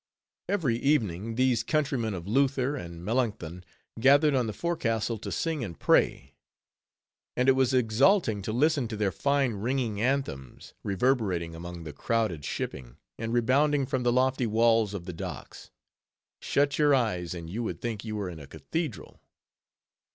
Every evening these countrymen of Luther and Melancthon gathered on the forecastle to sing and pray. And it was exalting to listen to their fine ringing anthems, reverberating among the crowded shipping, and rebounding from the lofty walls of the docks. Shut your eyes, and you would think you were in a cathedral.